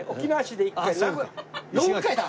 ４回だ！